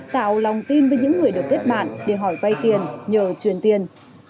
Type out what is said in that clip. tạo lòng tin với những người được kết bạn để hỏi vay tiền nhờ truyền tiền